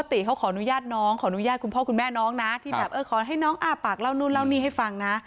ติเขาขออนุญาตน้องขออนุญาตคุณพ่อคุณแม่น้องนะที่แบบเออขอให้น้องอ้าปากเล่านู่นเล่านี่ให้ฟังนะ